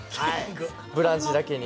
「ブランチ」だけに。